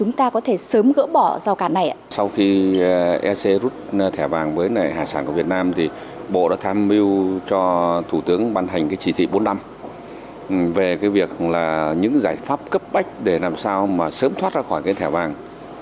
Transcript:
người cá có trách để làm sao mà sớm thoát ra khỏi cái thẻ bàng